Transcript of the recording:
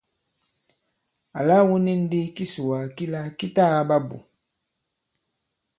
Àla wu ni ndī kisùwà kila ki ta kaɓa bù !